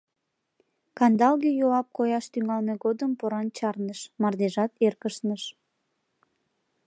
Кандалге юап кояш тӱҥалме годым поран чарныш, мардежат эркышныш.